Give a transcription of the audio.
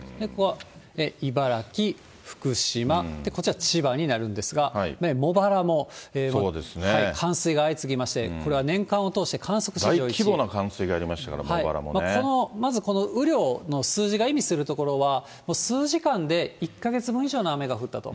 茨城、福島、そしてこちら千葉になるんですが、茂原も冠水が相次ぎまして、これは年間を通して、大規模な冠水がありましたかまずこの雨量の数字が意味するところは、数時間で１か月分以上の雨が降ったと。